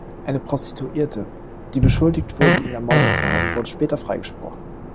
Eine Prostituierte, die beschuldigt wurde, ihn ermordet zu haben, wurde später freigesprochen.